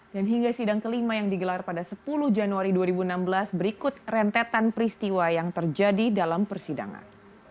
hingga sidang kelima yang digelar pada sepuluh januari dua ribu enam belas berikut rentetan peristiwa yang terjadi dalam persidangan